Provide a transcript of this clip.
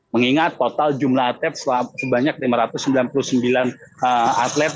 mengingat total jumlah atlet sebanyak lima ratus sembilan puluh sembilan atlet